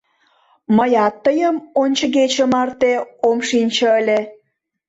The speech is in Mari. Мыят тыйым ончыгече марте ом шинче ыле.